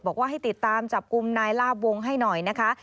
บอกว่าให้ติดตามจับกลุ่มนายลาบวงให้หน่อยนะคะ